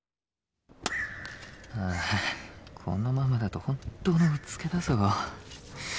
ああこのままだと本当のうつけだぞ。